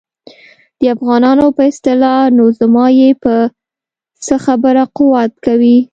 د افغانانو په اصطلاح نو زما یې په څه خبره قوت کوي.